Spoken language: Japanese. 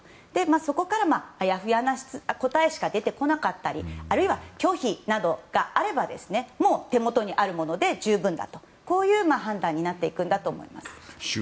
そこからあやふやな答えしか出てこなかったりあるいは、拒否などがあればもう、手元にあるもので十分だという判断になっていくんだと思います。